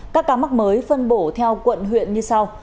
các ca mắc mới phân bổ theo quận huyện như sau